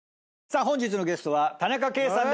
さあ本日のゲストは田中圭さん